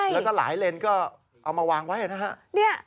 แล้วก็หลายเลนก็เอามาวางไว้นะฮะ